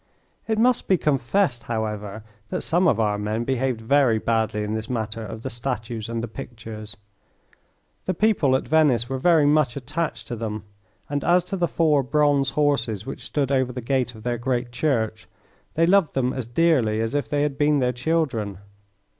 It must be confessed, however, that some of our men behaved very badly in this matter of the statues and the pictures. The people at Venice were very much attached to them, and as to the four bronze horses which stood over the gate of their great church, they loved them as dearly as if they had been their children.